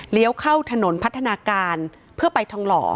เข้าถนนพัฒนาการเพื่อไปทองหล่อ